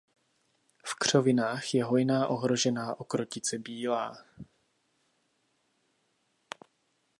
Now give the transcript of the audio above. V křovinách je hojná ohrožená okrotice bílá.